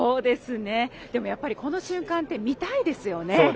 でもやっぱりこの瞬間って、見たいですよね。